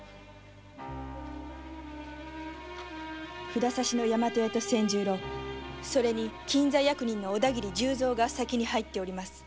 札差の大和屋と仙十郎それに金座役人小田切十蔵が先に入っております。